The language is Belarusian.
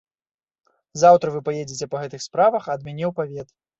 Заўтра вы паедзеце па гэтых справах ад мяне ў павет.